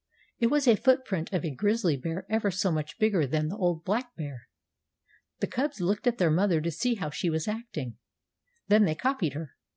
It was a footprint of a grizzly bear ever so much bigger than the old black bear. The cubs looked at their mother to see how she was acting. Then they copied her.